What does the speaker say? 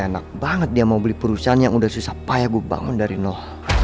enak banget dia mau beli perusahaan yang udah susah payah gue bangun dari nol